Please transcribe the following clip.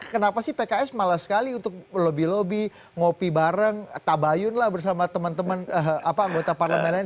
kenapa sih pks malah sekali untuk lobby lobby ngopi bareng tabayun lah bersama teman teman anggota parlemen lain